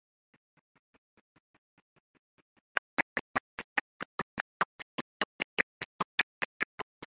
American architect William Phelps Eno favored small traffic circles.